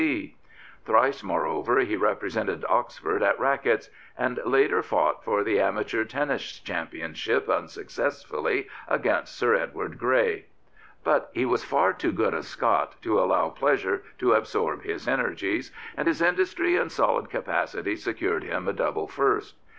C.C. Thrice, moreover, he represented Oxford at racquets and later fought for the ama teur tennis championship unsuccessfully against Sir Edward Grey. But he was far too good a Scot to allow pleasure to absorb his' energies, and his industry and solid capacity secured him a double first.